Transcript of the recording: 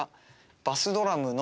「バスドラムの」